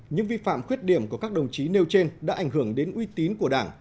những vi phạm khuyết điểm của các đồng chí nêu trên đã ảnh hưởng đến uy tín của đảng